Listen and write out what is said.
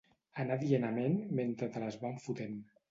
anar dient amén mentre te les van fotent